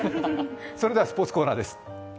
それではスポーツコーナーです。